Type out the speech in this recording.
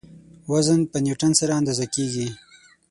وزن په نیوټن سره اندازه کیږي.